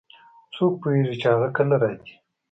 څوک پوهیږي چې هغه کله راځي